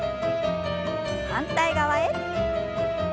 反対側へ。